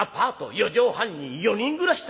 ４畳半に４人暮らしだ。